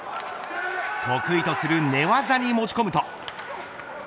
得意とする寝技に持ち込むと。